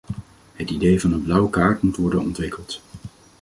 Het idee van een blauwe kaart moet worden ontwikkeld.